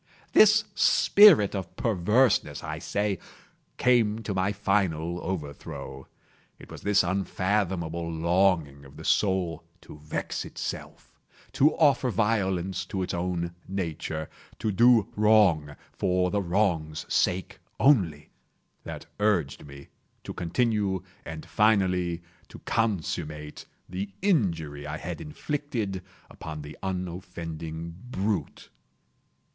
This spirit of perverseness, I say, came to my final overthrow. It was this unfathomable longing of the soul to vex itself—to offer violence to its own nature—to do wrong for the wrong's sake only—that urged me to continue and finally to consummate the injury I had inflicted upon the unoffending brute.